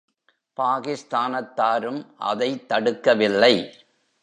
பாகிஸ்தானத்தாரும் அதைத் தடுக்கவில்லை.